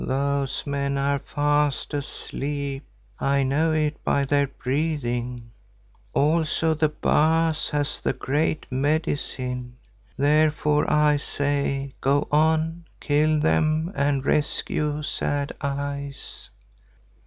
"Those men are fast asleep, I know it by their breathing. Also the Baas has the Great Medicine. Therefore I say go on, kill them and rescue Sad Eyes."